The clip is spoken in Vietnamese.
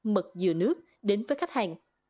mật dừa nước đến với khách hàng